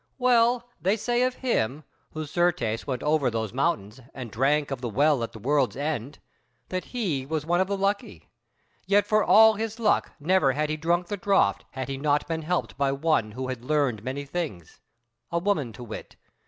Well, they say of him, who certes went over those mountains, and drank of the Well at the World's End, that he was one of the lucky: yet for all his luck never had he drunk the draught had he not been helped by one who had learned many things, a woman to wit.